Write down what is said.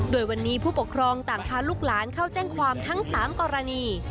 โดยวันนี้ผู้ปกครองต่างพาลูกหลานเข้าแจ้งความทั้ง๓กรณี